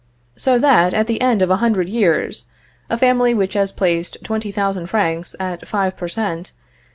So that, at the end of a hundred years, a family, which has placed 20,000 francs, at five per cent.